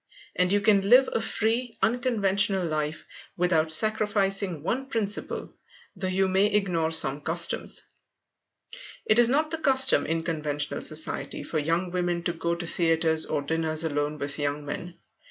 And you can live a free, unconventional life without sacrificing one principle, though you may ignore some customs. It is not the custom in conventional society for young women to go to theatres or dinners alone with young men.